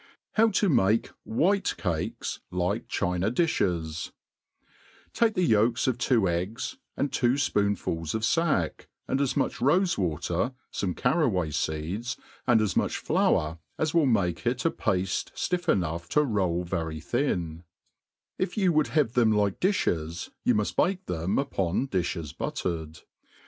How to make JfT)ite Cakes like China Dijhes^ TAKE the yolks of two eggs, and two fpoonfuls of fack, and as much rofe water, fome carraway feeds, and as much fiour as will make it a pafte ftiff enough to roll very thin : if you would have them like difhes, you muft bake them upon diihes buttered.